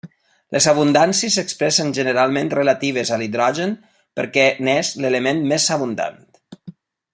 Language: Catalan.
Les abundàncies s'expressen generalment relatives a l'hidrogen perquè n'és l'element més abundant.